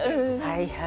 はいはい。